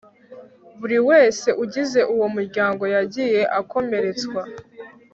Buri wese ugize uwo muryango yagiye akomeretswa